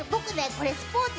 これスポ−ツ